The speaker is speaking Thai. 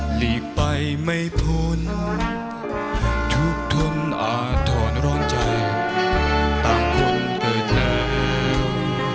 หลีกไปไม่พ้นทุกท่นอาทรรณรองใจต่างคนเกิดแล้ว